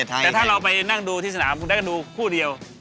แต่ถ้าเราไปนั่งดูที่สนามคุณได้ก็ดูคู่เดียว